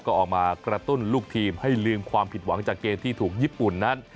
ก็ออกมากระตุ้นลูกทีมให้ลืมความผิดหวังจากเกมที่ถูกญี่ปุ่นนั้น